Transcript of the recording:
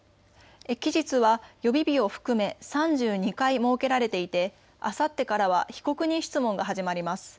期日は予備日を含め３２回設けられていてあさってからは被告人質問が始まります。